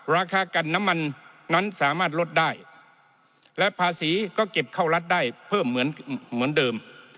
ราคากันน้ำมันนั้นสามารถลดได้และภาษีก็เก็บเข้ารัฐได้เพิ่มเหมือนเหมือนเดิม